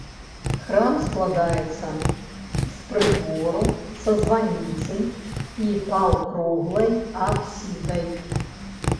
Храм складаецца з прытвору са званіцай і паўкруглай апсідай.